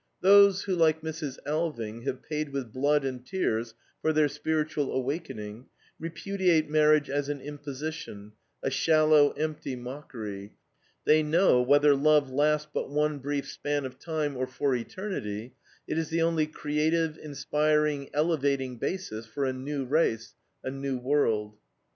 Those who, like Mrs. Alving, have paid with blood and tears for their spiritual awakening, repudiate marriage as an imposition, a shallow, empty mockery. They know, whether love last but one brief span of time or for eternity, it is the only creative, inspiring, elevating basis for a new race, a new world.